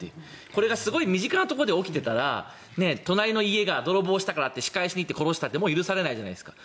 これがすごい身近なところで起きていたら隣の家が泥棒したからといって仕返しに行っても許されるじゃないですか。